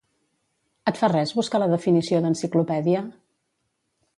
Et fa res buscar la definició d'enciclopèdia?